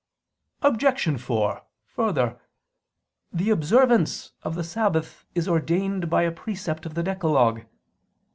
Obj. 4: Further, the observance of the Sabbath is ordained by a precept of the decalogue.